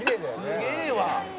「すげえわ！」